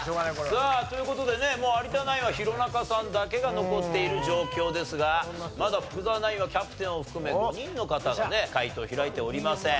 さあという事でね有田ナインは弘中さんだけが残っている状況ですがまだ福澤ナインはキャプテンを含め５人の方がね解答を開いておりません。